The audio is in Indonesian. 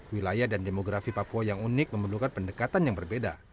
wilayah dan demografi papua yang unik memerlukan pendekatan yang berbeda